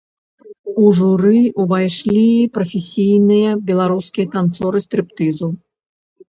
У журы ўвайшлі прафесійныя беларускія танцоры стрыптызу.